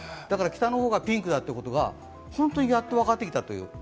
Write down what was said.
だから、北の方がピークだということが本当にやっと分かってきたという。